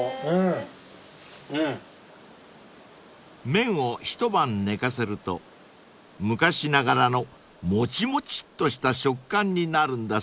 ［麺を一晩寝かせると昔ながらのモチモチっとした食感になるんだそうです］